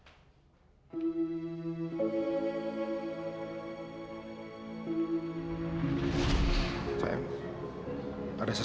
ada sesuatu yang ingin aku katakan sama kamu